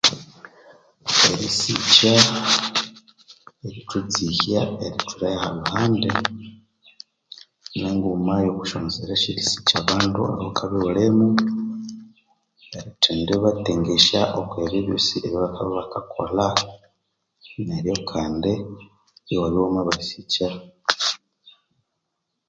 Erisikya erithwa e'tsihya ithune aha lhuhandi, ni nguma eyoko syonzira esyerisikya abandu abawukabya iwulimo, erithendi batengesya okwa ebyo ebyosi ebya bakabya bakakolha, neryo kandi iwabya iwama basikya .